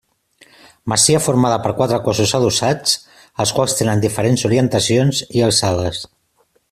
Masia formada per quatre cossos adossats, els quals tenen diferents orientacions i alçades.